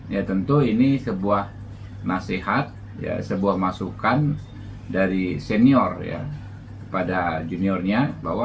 ya tentu ini sebuah nasihat sebuah masukan dari senior ya kepada juniornya bahwa